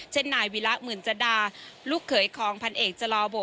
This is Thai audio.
เช่นนายวิระหมื่นจดาลูกเขยของพันเอกจลอโบ